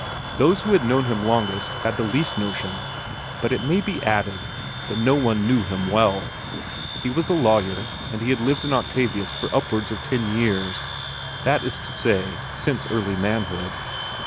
Those who had known him longest had the least notion; but it may be added that no one knew him well. He was a lawyer, and had lived in Octavius for upwards of ten years; that is to say, since early manhood.